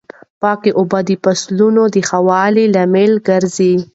پاکې اوبه د فصلونو د ښه والي لامل ګرځي.